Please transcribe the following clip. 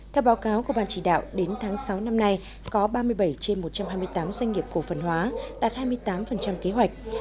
theo báo cáo của ban chỉ đạo đến tháng sáu năm nay có ba mươi bảy trên một trăm hai mươi tám doanh nghiệp cổ phần hóa đạt hai mươi tám kế hoạch